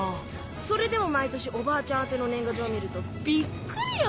それでも毎年おばあちゃん宛ての年賀状を見るとびっくりよ！